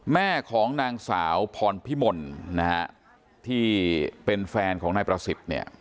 แม่ของนางสาวพรพิมลนะฮะที่เป็นแฟนของนายประสิทธิ์เนี่ย